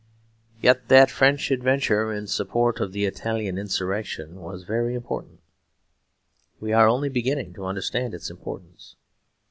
Yet that French adventure in support of the Italian insurrection was very important; we are only beginning to understand its importance.